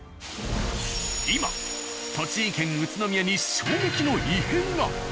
今栃木県・宇都宮に衝撃の異変が！